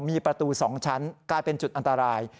มีประตู๒ชั้นกลายเป็นจุดอันตราย